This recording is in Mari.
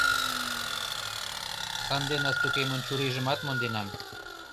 Ынде Настукемын чурийжымат монденам.